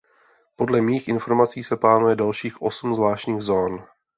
Podle mých informací se plánuje dalších osm zvláštních zón.